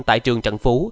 tại trường trần phú